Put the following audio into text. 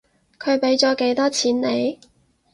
佢畀咗幾多錢你？